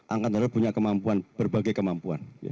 angkatan darat punya kemampuan berbagai kemampuan